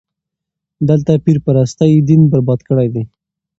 دلته پير پرستي دين برباد کړی دی.